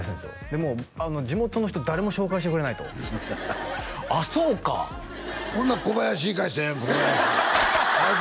でも地元の人誰も紹介してくれないとあっそうかほんなら小林行かしたらええ小林あいつ